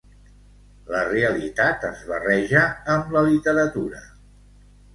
La realitat es barreja amb la literatura.